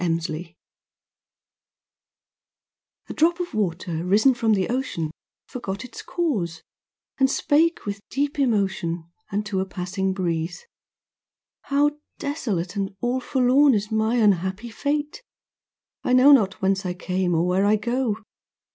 NIRVANA A drop of water risen from the ocean Forgot its cause, and spake with deep emotion Unto a passing breeze. 'How desolate And all forlorn is my unhappy fate. I know not whence I came, or where I go.